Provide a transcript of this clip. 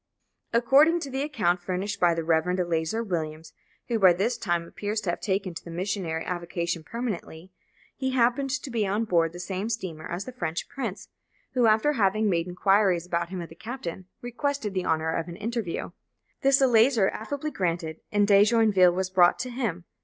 According to the account furnished by the Rev. Eleazar Williams, who by this time appears to have taken to the missionary avocation permanently, he happened to be on board the same steamer as the French prince, who after having made inquiries about him of the captain, requested the honour of an interview. This Eleazar affably granted, and De Joinville was brought to him.